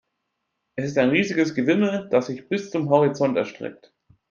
Es ist ein riesiges Gewimmel, das sich bis zum Horizont erstreckt.